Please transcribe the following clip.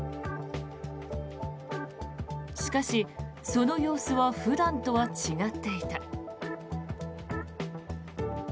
しかし、その様子は普段とは違っていた。